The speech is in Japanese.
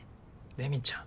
レミちゃん。